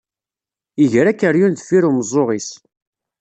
Iger akeryun deffir umeẓẓuɣ-is.